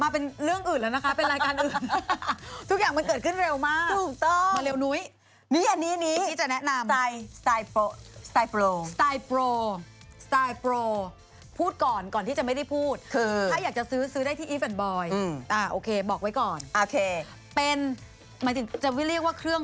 เป็นอุปกรณ์ทำความสะอาดแปลง